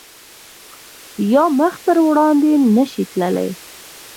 یا مخ په وړاندې نه شی تللی